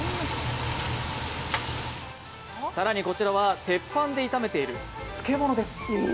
さらにこちらは鉄板で炒めている漬物です。